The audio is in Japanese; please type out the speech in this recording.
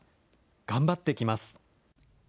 頑張ってきます。